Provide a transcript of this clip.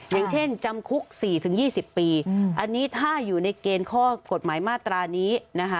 อย่างเช่นจำคุก๔๒๐ปีอันนี้ถ้าอยู่ในเกณฑ์ข้อกฎหมายมาตรานี้นะคะ